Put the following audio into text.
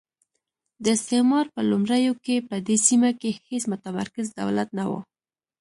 د استعمار په لومړیو کې په دې سیمه کې هېڅ متمرکز دولت نه وو.